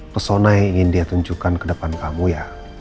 pesona yang ingin dia tunjukkan ke depan kamu ya